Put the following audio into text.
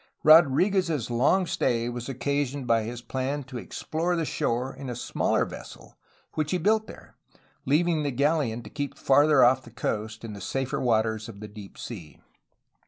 Rodriguez's long stay was occasioned by his plan to explore the shore in a smaller vessel which he built there, leaving the galleon to keep farther off the coast in the safer waters of the deep sea.